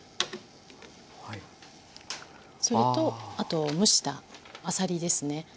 それとあと蒸したあさりですね。